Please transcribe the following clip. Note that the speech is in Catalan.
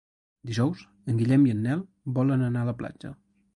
Dijous en Guillem i en Nel volen anar a la platja.